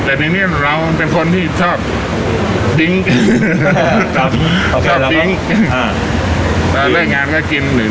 แต่ทีนี้เราเป็นคนที่ชอบดิ้งชอบดิ้งแล้วเลิกงานก็กิน